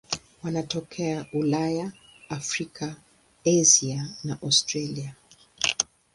Wanatokea Ulaya, Afrika, Asia na Australia.